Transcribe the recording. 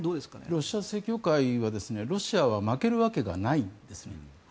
ロシア正教会はロシアは負けるわけがないんですね。